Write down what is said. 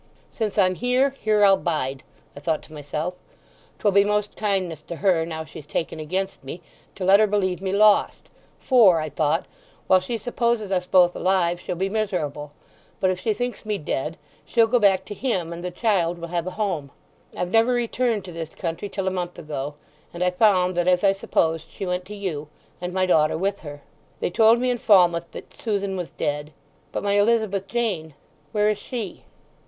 "'Since I'm here, here I'll bide,' I thought to myself; ''twill be most kindness to her, now she's taken against me, to let her believe me lost, for,' I thought, 'while she supposes us both alive she'll be miserable; but if she thinks me dead she'll go back to him, and the child will have a home.' I've never returned to this country till a month ago, and I found that, as I supposed, she went to you, and my daughter with her. They told me in Falmouth that Susan was dead. But my Elizabeth Jane—where is she?"